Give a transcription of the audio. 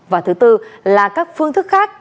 và thứ tư là các phương thức khác